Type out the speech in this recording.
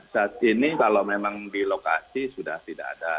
saat ini kalau memang di lokasi sudah tidak ada